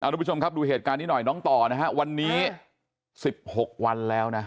ทุกผู้ชมครับดูเหตุการณ์นี้หน่อยน้องต่อนะฮะวันนี้๑๖วันแล้วนะ